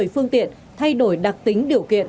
một mươi phương tiện thay đổi đặc tính điều kiện